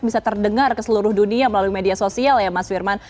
bisa terdengar ke seluruh dunia melalui media sosial ya mas firman